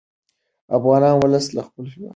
افغان ولس له خپل هېواد سره مینه لري.